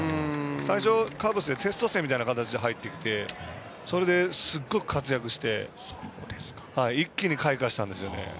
最初カブスでテスト生みたいな形で入ってきてすごい活躍して一気に開花したんですよね。